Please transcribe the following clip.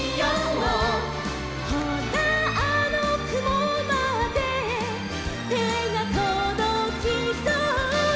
「ほらあのくもまでてがとどきそう」